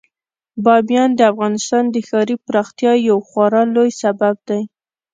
بامیان د افغانستان د ښاري پراختیا یو خورا لوی سبب دی.